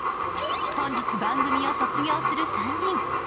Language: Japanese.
本日、番組を卒業する３人。